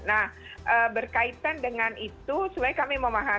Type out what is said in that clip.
nah berkaitan dengan itu sebenarnya kami memahami